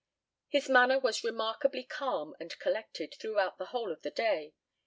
His manner was remarkably calm and collected throughout the whole of the day.